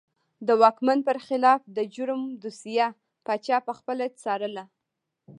د واکمن پر خلاف د جرم دوسیه پاچا پخپله څارله.